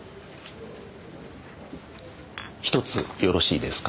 １つよろしいですか？